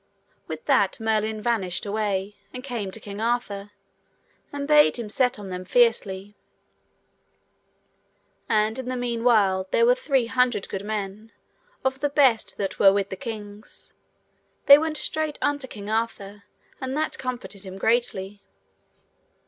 With that Merlin vanished away, and came to King Arthur, and bade him set on them fiercely; and in the meanwhile there were three hundred good men, of the best that were with the kings, that went straight unto King Arthur, and that comforted him greatly.